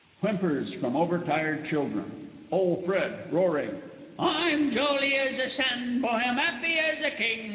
[Whimpers from over tired children. OLE FRED (roaring). "I'm jolly as a Sandboy, I'm 'appy as a king!